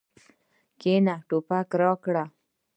کېنه ټوپک راکړه.